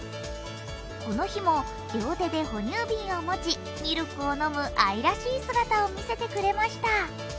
この日も両手で哺乳瓶を持ち、ミルクを飲む愛らしい姿を見せてくれました。